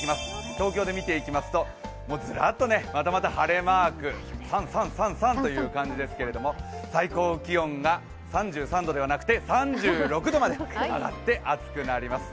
東京で見ていきますと、ずらっと晴れマーク、サンサンサンサンという感じですけれども、最高気温が３３度ではなくて、３６度まで上がって暑くなります。